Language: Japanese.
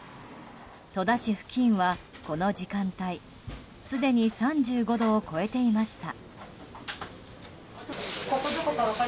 戸田市付近は、この時間帯すでに３５度を超えていました。